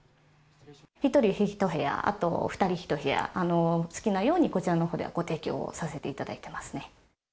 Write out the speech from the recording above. １人１部屋、あと２人１部屋、好きなようにこちらのほうではご提供をさせていただいていますね。